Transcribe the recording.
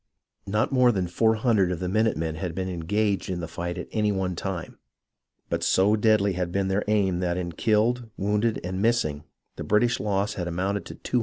Not more than 400 of the minute men had been engaged in the fight at any one time, but so deadly had been their aim that in killed, wounded, and missing the British loss had amounted to 273.